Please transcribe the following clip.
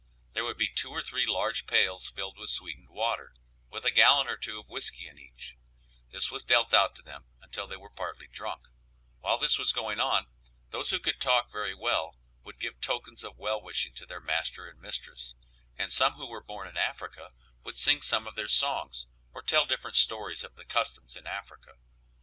There would be two or three large pails filled with sweetened water, with a gallon or two of whiskey in each; this was dealt out to them until they were partly drunk; while this was going on, those who could talk very well would give tokens of well wishing to their master and mistress, and some who were born in Africa, would sing some of their songs, or tell different stories of the customs in Africa.